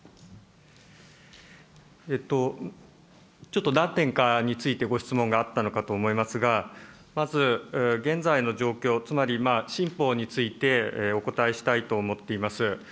ちょっと何点かについてご質問があったのかと思いますが、まず現在の状況、つまり新法についてお答えしたいと思っています。